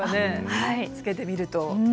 付けてみると。